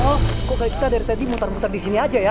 ya allah kok kali kita dari tadi muter muter disini aja ya